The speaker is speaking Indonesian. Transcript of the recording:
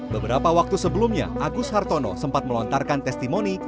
beberapa waktu sebelumnya agus hartono sempat melontarkan testimoni